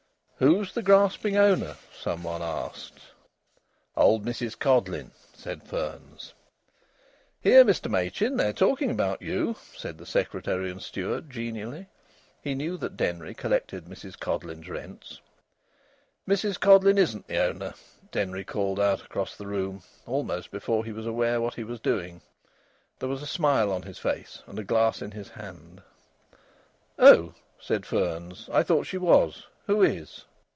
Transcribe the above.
"Who's the grasping owner?" some one asked. "Old Mrs Codleyn," said Fearns. "Here, Mr Machin, they're talking about you," said the Secretary and Steward, genially. He knew that Denry collected Mrs Codleyn's rents. "Mrs Codleyn isn't the owner," Denry called out across the room, almost before he was aware what he was doing. There was a smile on his face and a glass in his hand. "Oh!" said Fearns. "I thought she was. Who is?"